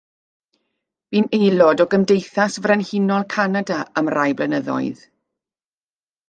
Bu'n aelod o Gymdeithas Frenhinol Canada am rai blynyddoedd.